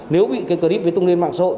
nếu bị cái clip bị tung lên mạng sội